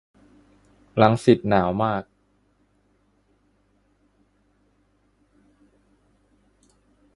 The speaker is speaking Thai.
รังสิต หนาวมาก